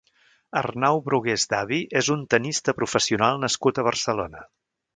Arnau Brugués Davi és un tennista professional nascut a Barcelona.